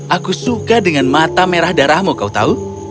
aku suka dengan mata merah darahmu kau tahu